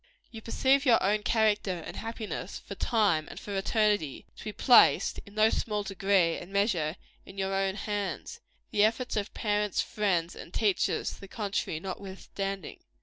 You perceive your own character and happiness, for time and for eternity, to be placed, in no small degree and measure, in your own hands the efforts of parents, friends and teachers to the contrary notwithstanding.